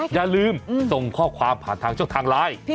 อย่าลืมส่งข้อความผ่านทางช่องทางไลน์